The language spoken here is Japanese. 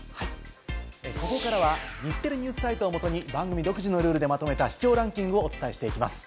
ここからは日テレＮＥＷＳサイトをもとに番組独自のルールでまとめた視聴ランキングをお伝えします。